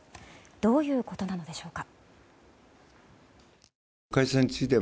どういうことなのでしょうか。